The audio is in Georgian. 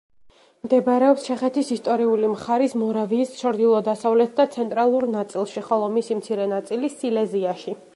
მდებარეობს ჩეხეთის ისტორიული მხარის მორავიის ჩრდილო-დასავლეთ და ცენტრალურ ნაწილში, ხოლო მისი მცირე ნაწილი სილეზიაში.